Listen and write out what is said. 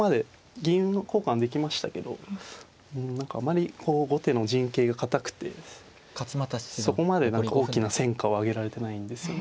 銀交換できましたけどうん何かあまりこう後手の陣形が堅くてそこまで大きな戦果を上げられてないんですよね。